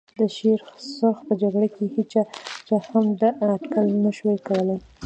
د شېر سرخ په جرګه کې هېچا هم دا اټکل نه شوای کولای.